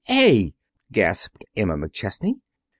A.!" gasped Emma McChesney.